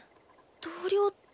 同僚って。